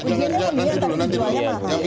jangan nanti dulu